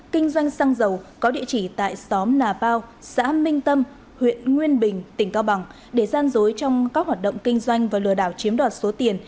kinh doanh xăng dầu có địa chỉ tại xóm nà pao xã minh tâm huyện nguyên bình tỉnh cao bằng để gian dối trong các hoạt động kinh doanh và lừa đảo chiếm đoạt số tiền